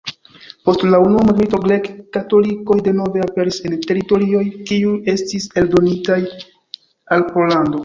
Post la unua mondmilito grek-katolikoj denove aperis en teritorioj kiuj estis aldonitaj al Pollando.